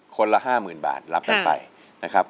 คนละ๕๐๐๐บาทรับกันไปนะครับ